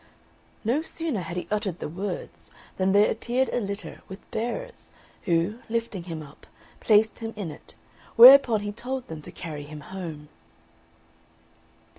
No sooner had he uttered the words than there appeared a litter, with bearers, who, lifting him up, placed him in it; whereupon he told them to carry him home.